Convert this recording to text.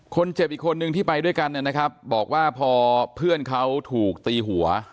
คนเจ็บอีกคนนึงที่ไปด้วยกันบอกว่าพอเพื่อนเขาถูกตีหัว